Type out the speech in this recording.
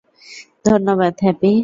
ধন্যবাদ, হ্যাপি?